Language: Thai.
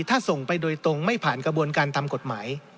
ถ้าส่งไปโดยตรงไม่ผ่านกระบวนการทำกฎหมาย